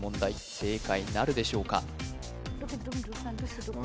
正解なるでしょうか？